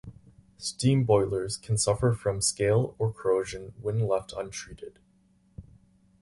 Steam boilers can suffer from scale or corrosion when left untreated.